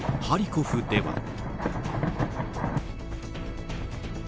ハリコフでは。